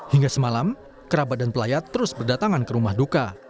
hingga semalam kerabat dan pelayat terus berdatangan ke rumah duka